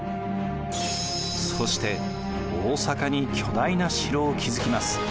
そして大坂に巨大な城を築きます。